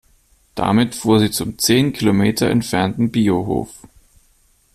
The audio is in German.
Damit fuhr sie zum zehn Kilometer entfernten Biohof.